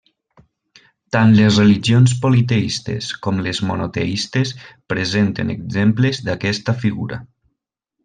Tant les religions politeistes com les monoteistes presenten exemples d'aquesta figura.